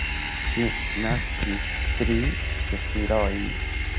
Ŝi naskis tri gefilojn.